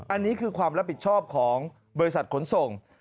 อันนี้คือความรับผิดชอบของบริษัทขนส่ง